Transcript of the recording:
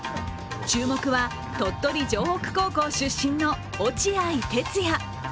注目は鳥取城北高校出身の落合哲也。